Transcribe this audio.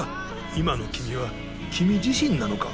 今の君は君自身なのか？